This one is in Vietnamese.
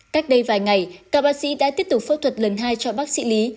cách đây vài ngày các bác sĩ đã tiếp tục phẫu thuật lần hai cho bác sĩ lý